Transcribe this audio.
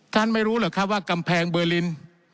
ไม่รู้เหรอครับว่ากำแพงเบอร์ลิน